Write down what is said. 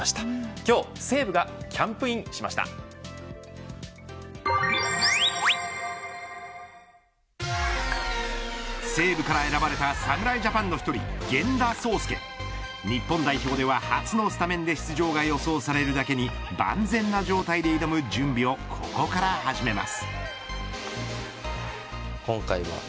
今日、西武が西武から選ばれた侍ジャパンの１人源田壮亮。日本代表では、初のスタメンで出場が予想されるだけに万全な状態で挑む準備をここから始めます。